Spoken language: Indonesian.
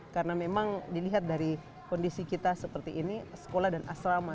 karena memang dilihat dari kondisi kita seperti ini sekolah dan asrama